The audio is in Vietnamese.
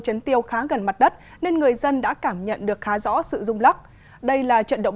chấn tiêu khá gần mặt đất nên người dân đã cảm nhận được khá rõ sự rung lắc đây là trận động